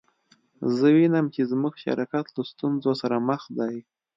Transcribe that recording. زه وینم چې زموږ شرکت له ستونزو سره مخ دی